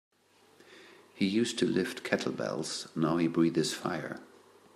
He used to lift kettlebells now he breathes fire.